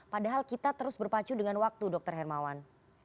padahal kita terus berpacu dengan waktu dokter hermawan